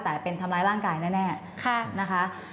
แต่เป็นทำร้ายร่างกายแน่นะคะ